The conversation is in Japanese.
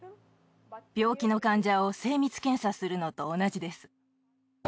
病気の患者を精密検査するのと同じです。